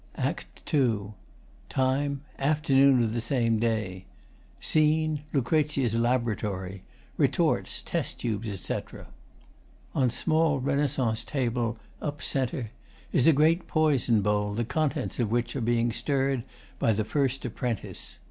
] ACT II TIME: Afternoon of same day. SCENE: Lucrezia's Laboratory. Retorts, test tubes, etc. On small Renaissance table, up c., is a great poison bowl, the contents of which are being stirred by the FIRST APPRENTICE.